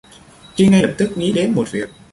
Chinh ngay lập tức nghĩ đến một việc